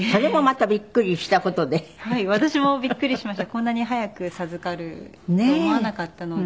こんなに早く授かると思わなかったので。